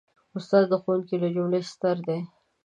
استاد د ښوونکو له جملې ستر دی.